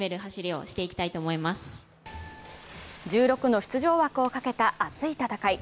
１６の出場枠をかけた熱い戦い。